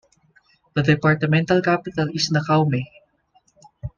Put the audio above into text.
The departmental capital is Nacaome.